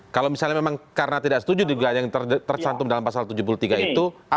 kalau misalnya memang karena tidak setuju dugaan yang tercantum dalam pasal tujuh puluh tiga itu